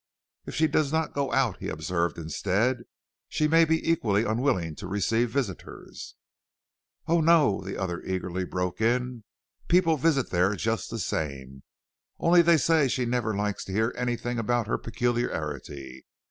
"If she does not go out," he observed instead, "she may be equally unwilling to receive visitors." "Oh, no," the other eagerly broke in; "people visit there just the same. Only they say she never likes to hear anything about her peculiarity.